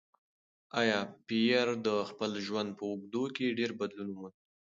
ایا پییر د خپل ژوند په اوږدو کې ډېر بدلون وموند؟